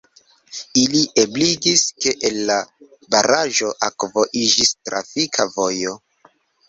Ili ebligis, ke el la baraĵo akvo iĝis trafika vojo.